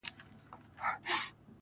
راشه بيا په کربلا راوړه بيا په هر يو حلق